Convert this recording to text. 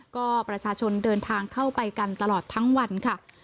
ก็ประชาชนเดินทางเข้าไปกันตลอดทั้งวันค่ะ